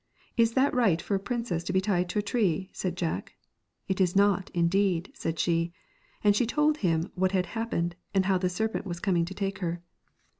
' Is that right for a princess to be tied to a tree?' said Jack. 'It is not, indeed,' said she, and she told him what had happened, and how the serpent was coming to take her.